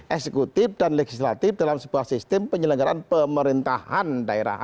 eksekutif dan legislatif dalam sebuah sistem penyelenggaran pemerintahan daerah